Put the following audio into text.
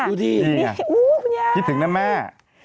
ดูดิคิดถึงนะแม่